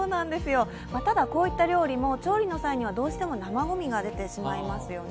ただ、こういった料理も調理の際にはどうしても生ごみが出てしまいますよね。